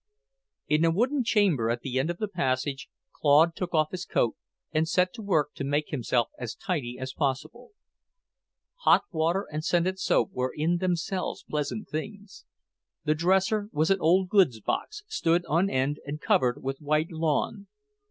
In a wooden chamber at the end of the passage, Claude took off his coat, and set to work to make himself as tidy as possible. Hot water and scented soap were in themselves pleasant things. The dresser was an old goods box, stood on end and covered with white lawn.